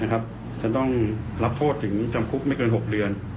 จะต้องรับโทษถึงจำคุกไม่เกิน๖เดือน